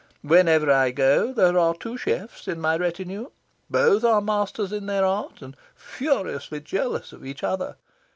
Wherever I go, there are two chefs in my retinue. Both are masters in their art, and furiously jealous of each other.